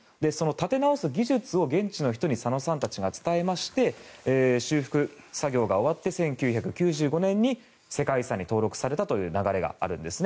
立て直す技術を現地の人たちに左野さんたちが伝えまして、修復作業が終わって１９９５年に世界遺産に登録されたという流れがあるんです。